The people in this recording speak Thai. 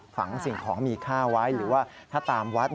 สิ่งของมีค่าไว้หรือว่าถ้าตามวัด